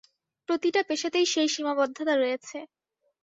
প্রতিটা পেশাতেই সেই সীমাবদ্ধতা রয়েছে।